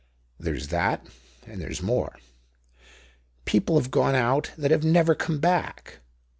"There's that, and there's more. People have gone out that have never come back.